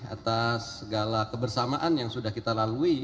atas segala kebersamaan yang sudah kita lalui